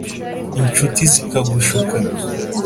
inshuti zikagushuka